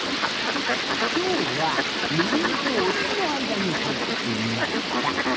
きょうはみりんとおすのあいだにはいってみました。